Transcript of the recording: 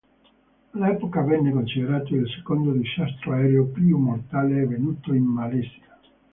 All'epoca venne considerato il secondo disastro aereo più mortale avvenuto in Malesia.